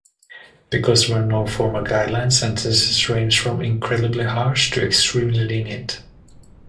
Because there were no formal guidelines, sentences ranged from incredibly harsh to extremely lenient.